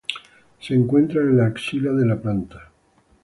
Se encuentran en la axila de la planta.